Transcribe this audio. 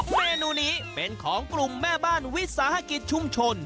เมนูนี้เป็นของกลุ่มแม่บ้านวิสาหกิจชุมชน